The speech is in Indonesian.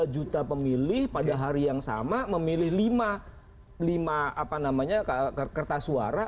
satu ratus sembilan puluh dua juta pemilih pada hari yang sama memilih lima kertas suara